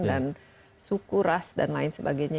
dan suku ras dan lain sebagainya